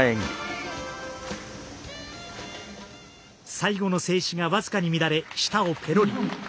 最後の静止が僅かに乱れ舌をぺろり。